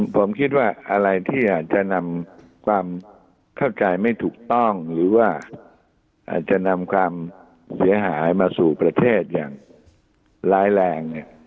ผมคิดว่าอะไรที่อาจจะนำความเข้าใจไม่ถูกต้องหรือว่าอาจจะนำความเสียหายมาสู่ประเทศอย่างร้ายแรง